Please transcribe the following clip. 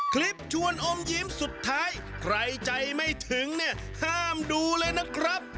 ชวนอมยิ้มสุดท้ายใครใจไม่ถึงเนี่ยห้ามดูเลยนะครับ